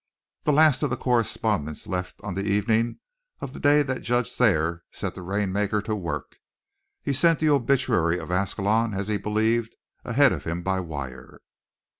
The last of the correspondents left on the evening of the day that Judge Thayer set the rainmaker to work. He sent the obituary of Ascalon, as he believed, ahead of him by wire.